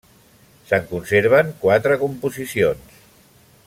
Se'n conserven quatre composicions.